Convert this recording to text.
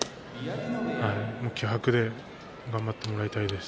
気迫で頑張ってもらいたいです。